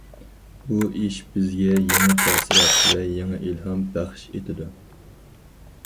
بۇ ئىش بىزگە يېڭى تەسىرات ۋە يېڭى ئىلھام بەخش ئېتىدۇ.